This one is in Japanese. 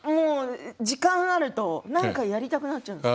時間があると何かやりたくなっちゃう。